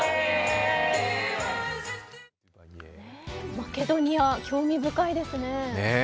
マケドニア、興味深いですね。